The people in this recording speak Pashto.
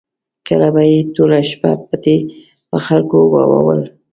کله به یې ټوله شپه پټي په خلکو اوبول.